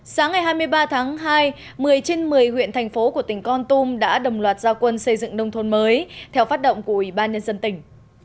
sáng ngày hai mươi ba tháng hai một mươi trên một mươi huyện thành phố của tỉnh con tum đã đồng loạt gia quân xây dựng nông thôn mới theo phát động của ủy ban nhân dân tỉnh